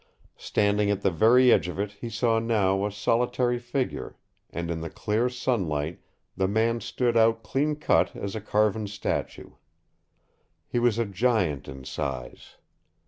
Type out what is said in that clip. Standing at the very edge of it he saw now a solitary figure, and in the clear sunlight the man stood out clean cut as a carven statue. He was a giant in size.